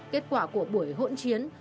kết quả của buổi hỗn chiến